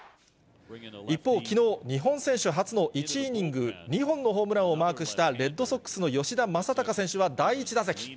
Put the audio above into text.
一方、きのう、日本選手初の１イニング２本のホームランをマークした、レッドソックスの吉田正尚選手は第１打席。